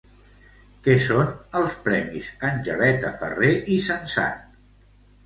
Què són els Premis Angeleta Ferrer i Sensat?